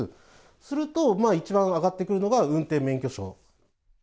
すると、一番挙がってくるのが運転免許証。